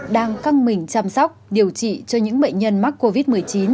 đang căng mình chăm sóc điều trị cho những bệnh nhân mắc covid một mươi chín